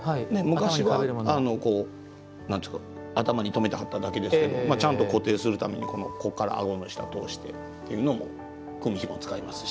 昔は頭に留めてはっただけですけどちゃんと固定するためにこっから顎の下通してっていうのも組みひも使いますし。